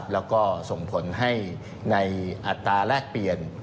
แล้วก็ส่งผลให้ในอัตราแรกเปลี่ยน